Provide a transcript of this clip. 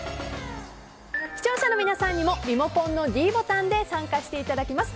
視聴者の皆さんにもリモコンのｄボタンで参加していただきます。